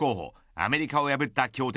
アメリカを破った強敵